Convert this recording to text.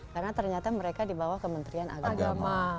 karena ternyata mereka di bawah kementerian agama